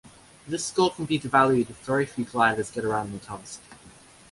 This score can be devalued if very few gliders get around the task.